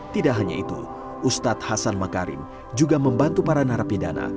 tidak hanya itu ustadz hasan makarim juga membantu para narapidana